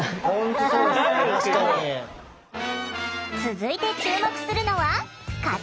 続いて注目するのは形。